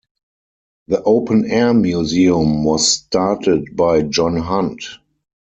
The open-air museum was started by John Hunt.